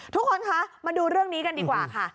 ทุกคนคะมาดูเรื่องนี้กันดีกว่าค่ะ